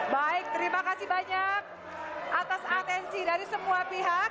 baik terima kasih banyak atas atensi dari semua pihak